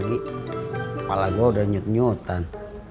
kepala gua udah nyut nyutan